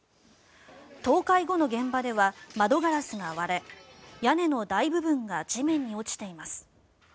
倒壊後の現場では窓ガラスが割れ屋根の大部分が地面に落ちています。